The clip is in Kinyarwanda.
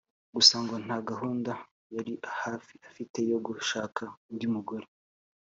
gusa ngo nta gahunda ya hafi afite yo gushaka undi mugore